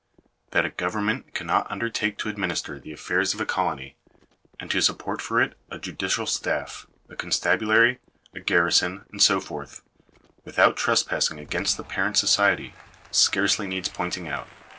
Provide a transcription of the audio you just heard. That a government cannot undertake to administer the affairs of a colony, and to support for it a judicial staff, a constabulary, a garrison, and so forth, without trespassing against the parent society, scarcely needs pointing out.